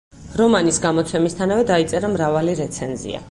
რომანის გამოცემისთანავე დაიწერა მრავალი რეცენზია.